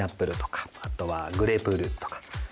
あとはグレープフルーツとか。